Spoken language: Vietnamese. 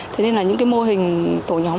thế nên là những mô hình tổ nhóm